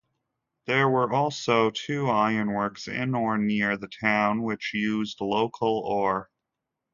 There were also two ironworks in or near the town which used local ore.